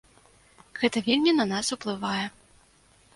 Гэта вельмі на нас уплывае.